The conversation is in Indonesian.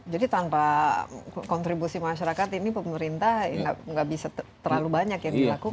jadi tanpa kontribusi masyarakat ini pemerintah nggak bisa terlalu banyak yang dilakukan